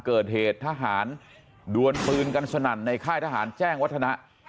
เกิดเหตุทหารดวนปืนกันสนั่นในค่ายทหารแจ้งวัฒนะ